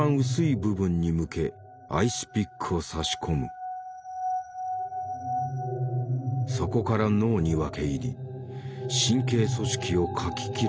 そこから脳に分け入り神経組織をかき切るのだ。